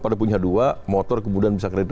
pada punya dua motor kemudian bisa kritis